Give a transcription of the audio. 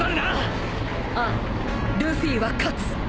ああルフィは勝つ。